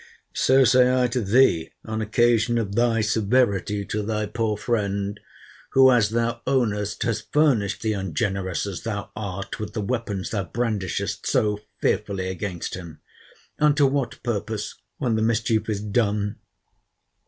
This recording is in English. So say I to thee, on occasion of thy severity to thy poor friend, who, as thou ownest, has furnished thee (ungenerous as thou art!) with the weapons thou brandishest so fearfully against him.—And to what purpose, when the mischief is done?